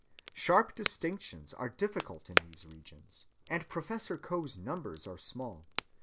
Sharp distinctions are difficult in these regions, and Professor Coe's numbers are small.